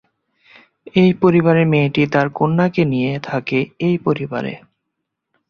এই পরিবারের মেয়েটি তার কন্যাকে নিয়ে থাকে এই পরিবারে।